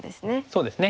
そうですね。